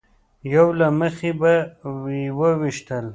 یو له مخې به یې ویشتل.